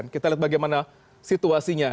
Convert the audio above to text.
kita lihat bagaimana situasinya